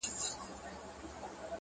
ډېـــره شناخته مي په وجود كي ده ـ